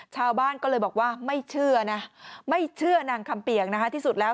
ชาวบ้านก็เลยบอกว่าไม่เชื่อนะไม่เชื่อนางคำเปียกนะคะที่สุดแล้ว